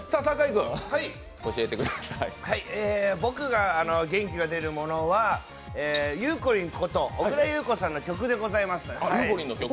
僕が元気が出るものはゆうこりんこと、小倉優子さんの曲でございます。